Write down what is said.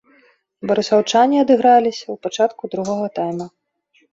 Барысаўчане адыграліся ў пачатку другога тайма.